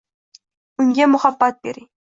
Unga muhabbat bering.